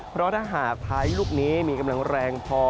เพราะถ้าหากพายุลูกนี้มีกำลังแรงพอ